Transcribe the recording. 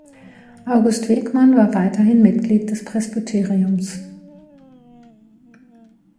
August Wegmann war weiterhin Mitglied des Presbyteriums.